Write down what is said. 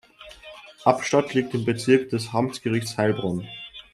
Abstatt liegt im Bezirk des Amtsgerichts Heilbronn.